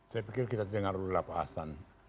saya pikir kita tidak harus luluhah pahasan